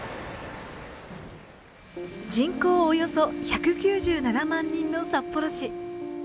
人口およそ１９７万人の札幌市。